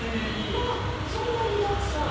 まあそんなにたくさん！